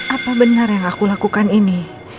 apa benar yang aku lakukan ini